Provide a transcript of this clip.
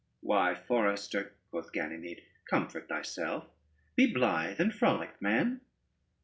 ] "Why, forester," quoth Ganymede, "comfort thyself; be blithe and frolic man.